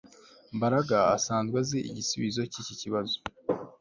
Mbaraga asanzwe azi igisubizo cyiki kibazo